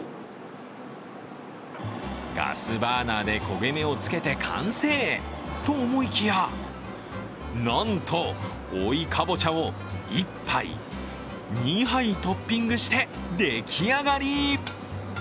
ガスバーナーで焦げ目をつけて完成と思いきや、なんと、追いかぼちゃを１杯、２杯トッピングして、出来上がり。